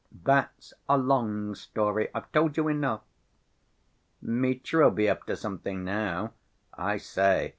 "That's a long story, I've told you enough." "Mitya'll be up to something now—I say!